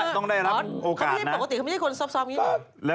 ต้องได้รับโอกาสนะ